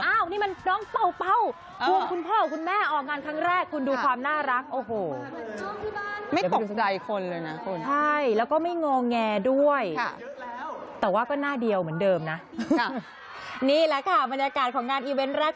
อ้าวนี่มันน้องเป่าคุณพ่อคุณแม่ออกงานครั้งแรกคุณดูความน่ารัก